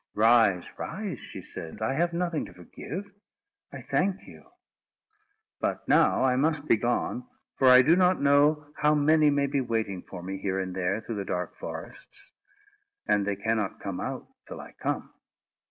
"Rise, rise," she said; "I have nothing to forgive; I thank you. But now I must be gone, for I do not know how many may be waiting for me, here and there, through the dark forests; and they cannot come out till I come."